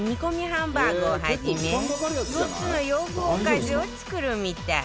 ハンバーグをはじめ４つの洋風おかずを作るみたい